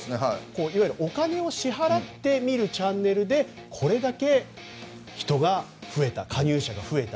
お金を支払って見るチャンネルでこれだけ、加入者が増えた。